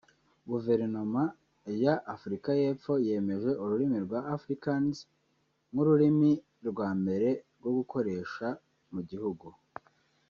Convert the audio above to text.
Guverinomaya Afurika y’epfo yemeje ururimi rwa Afrikaans nk’ururimi rwa mbere rwo gukoresha mu gihugu